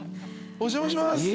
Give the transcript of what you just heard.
お邪魔します。